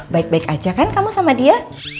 baik baik aja kan kamu sama dia